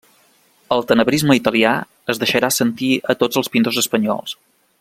El tenebrisme italià es deixarà sentir a tots els pintors espanyols.